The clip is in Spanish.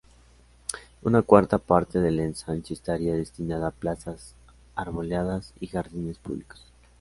Una cuarta parte del Ensanche estaría destinada a plazas, arboledas y jardines públicos.